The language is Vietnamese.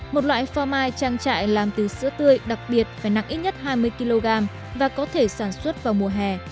một loại pho mai trang trại làm từ sữa tươi đặc biệt phải nặng ít nhất hai mươi kg và có thể sản xuất vào mùa hè